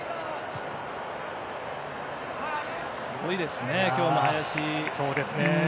すごいですね今日の林。